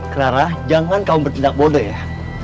clara jangan kau bertindak bodoh ya